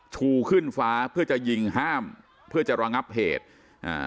ชูขึ้นฟ้าเพื่อจะยิงห้ามเพื่อจะระงับเหตุอ่า